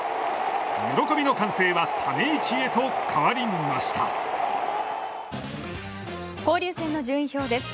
喜びの歓声はため息へと変わりました。